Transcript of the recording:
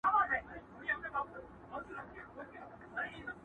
پروت ارمان مي ستا د غېږي ستا د خیال پر سره پالنګ دی،